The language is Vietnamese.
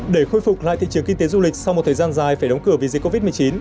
để khôi phục lại thị trường kinh tế du lịch sau một thời gian dài phải đóng cửa vì dịch covid một mươi chín